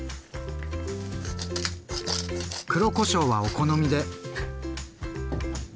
黒こしょうはお好みで。